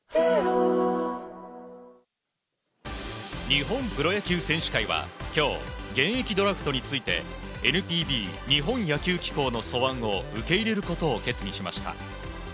日本プロ野球選手会は今日、現役ドラフトについてＮＰＢ・日本野球機構の素案を受け入れることを決議しました。